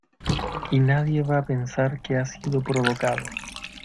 y nadie va a pensar que ha sido provocado.